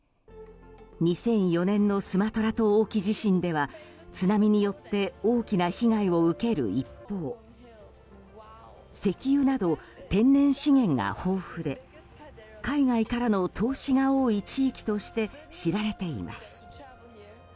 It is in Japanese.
２００４年のスマトラ島沖地震では津波によって大きな被害を受ける一方石油など天然資源が豊富で海外からの投資が多い地域として知られています。